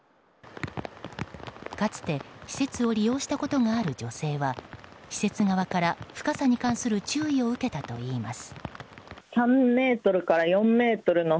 かつて施設を利用したことがある女性は施設側から深さに関する注意を受けたといいます。